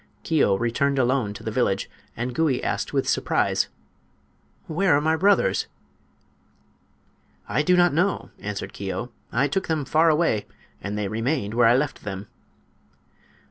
Keo returned alone to the village, and Gouie asked, with surprise: "Where are my brothers:" "I do not know," answered Keo. "I took them far away, and they remained where I left them."